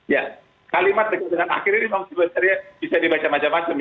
ya kalimat dekat dengan akhir ini memang sebenarnya bisa dibaca macam macam ya